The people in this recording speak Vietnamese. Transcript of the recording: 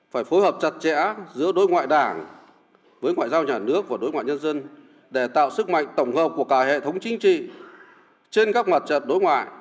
phải phối hợp chặt chẽ giữa đối ngoại đảng với ngoại giao nhà nước và đối ngoại nhân dân để tạo sức mạnh tổng hợp của cả hệ thống chính trị trên các mặt trận đối ngoại